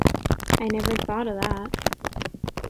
I never thought o’ that.